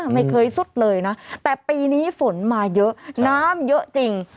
ไม่เคยสุดเลยนะแต่ปีนี้ฝนมาเยอะน้ำเยอะจริง